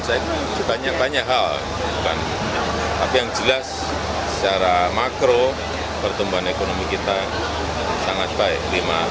saya banyak banyak hal tapi yang jelas secara makro pertumbuhan ekonomi kita sangat baik